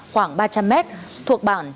khoảng ba trăm linh mét thuộc bảng